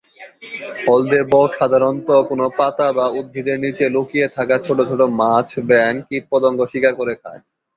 হলদে বক সাধারণত কোনো পাতা বা উদ্ভিদের নিচে লুকিয়ে থাকা ছোট ছোট মাছ, ব্যাঙ, কীটপতঙ্গ শিকার করে খায়।